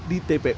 di rumah sakit